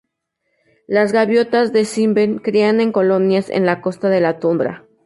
Las gaviotas de Sabine crían en colonias en la costa y la tundra.